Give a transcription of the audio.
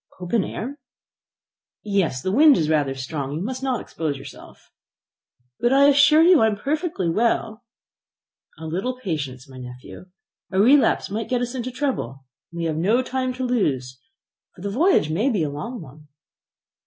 "Open air?" "Yes; the wind is rather strong. You must not expose yourself." "But I assure you I am perfectly well." "A little patience, my nephew. A relapse might get us into trouble, and we have no time to lose, for the voyage may be a long one."